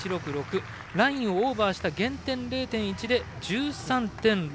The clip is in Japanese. ラインオーバーした減点０．１で１３．６６６。